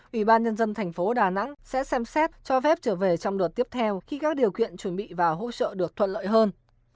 ủy ban nhân dân thành phố đà nẵng sẽ xem xét cho phép trở về trong đợt tiếp theo khi các điều kiện chuẩn bị và hỗ trợ được thuận lợi hơn